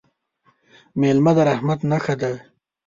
مېلمه د رحمت نښه ده.